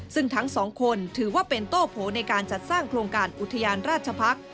ซึ่งทั้งสองคนถือว่าเป็นโต้โผในการจัดสร้างโครงการอุทยานราชพักษ์